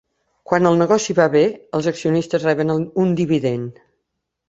Quan el negoci va bé, els accionistes reben un dividend.